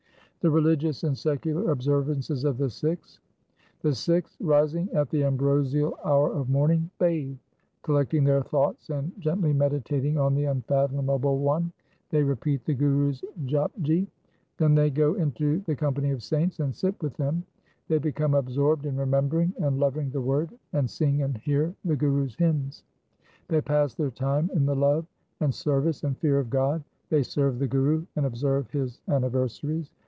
2 The religious and secular observances of the Sikhs :— The Sikhs rising at the ambrosial hour of morning 3 bathe. Collecting their thoughts and gently meditating on 1 XXXIII. 2 XXXIV. 3 When three hours of night remain. BHAI GUR DAS'S ANALYSIS 253 the unfathomable One, they repeat the Guru's Japji. They then go into the company of saints, and sit with them. They become absorbed in remembering and loving the Word, and sing and hear the Guru's hymns. They pass their time in the love and service and fear of God. They serve the Guru and observe his anniversaries.